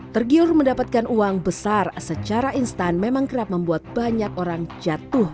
tergiur mendapatkan uang besar secara instan memang kerap membuat banyak orang jatuh